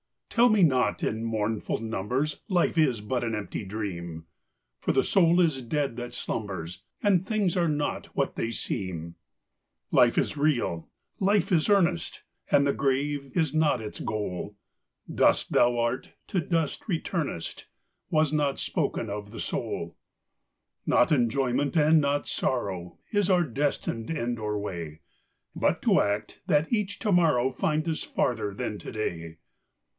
Tell me not, in mournful numbers, Life is but an empty dream ! For the soul is dead that slumbers. And things are not what they seem. Life is real ! Life is earnest ! And the grave is not its goal ; Dust thou art, to dust returnest, Was not spoken of the soul. VOICES OF THE NIGHT. Not enjoyment, and not sorrow, Is our destined end or way ; But to act, that each to morrow Find us farther than to day.